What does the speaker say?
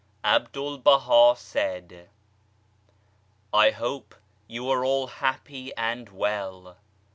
A BDUL BAHA said :^^ I hope you are all happy and well.